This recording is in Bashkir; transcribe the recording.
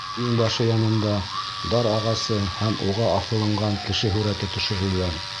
Иңбашы янында дар ағасы һәм уға аҫылынған кеше һүрәте төшөрөлгән.